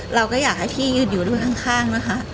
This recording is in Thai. เราก็อยากให้พี่หยุดอยู่ด้านข้าง